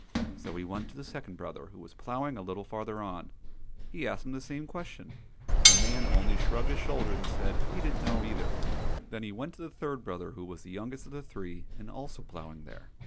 So he went to the second brother, who was ploughing a little farther on. He asked him the same question, but the man only shrugged his shoulders and said he didn't know either. Then he went to the third brother, who was the youngest of the three, and also ploughing there.